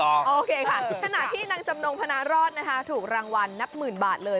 โอเคค่ะขณะที่นางจำนงพนารอดนะคะถูกรางวัลนับหมื่นบาทเลย